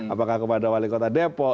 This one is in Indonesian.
apakah kepada wali kota depok